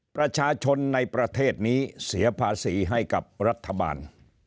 ประชาชนในประเทศนี้เสียภาษีให้กับรัฐบาล